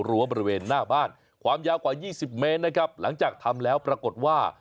ก็ล้อแต่งกำแพงดูสิ